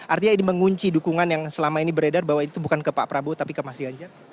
artinya ini mengunci dukungan yang selama ini beredar bahwa itu bukan ke pak prabowo tapi ke mas ganjar